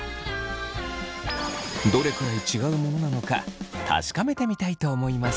どれくらい違うものなのか確かめてみたいと思います。